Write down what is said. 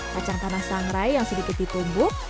kacang tanah sangrai yang sedikit ditumbuk